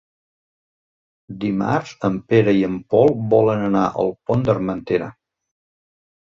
Dimarts en Pere i en Pol volen anar al Pont d'Armentera.